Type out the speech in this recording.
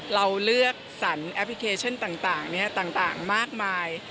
เราเลือกสรรแอปพลิเคชันต่างมากมาย